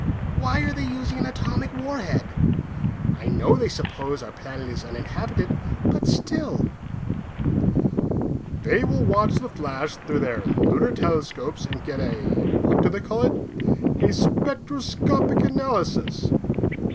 Why are they using an atomic warhead? I know they suppose our planet is uninhabited, but still " "They will watch the flash through their lunar telescopes and get a what do they call it? a spectroscopic analysis.